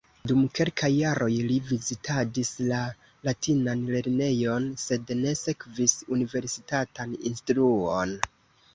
Dum kelkaj jaroj li vizitadis la latinan lernejon, sed ne sekvis universitatan instruon.